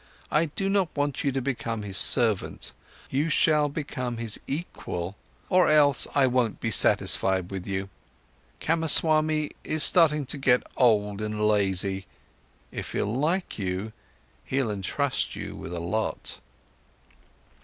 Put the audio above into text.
I do not want you to become his servant, you shall become his equal, or else I won't be satisfied with you. Kamaswami is starting to get old and lazy. If he'll like you, he'll entrust you with a lot."